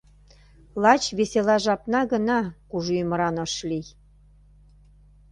Лач весела жапна гына кужу ӱмыран ыш лий.